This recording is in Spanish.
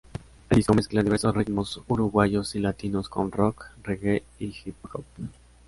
El disco mezcla diversos ritmos uruguayos y latinos con rock, reggae y hip hop.